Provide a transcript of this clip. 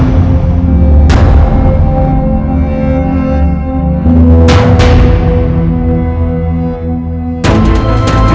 sampai aku mati